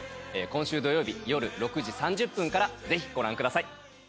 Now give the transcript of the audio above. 今週土曜日夜６時３０分からぜひご覧ください。